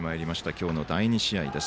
今日の第２試合です。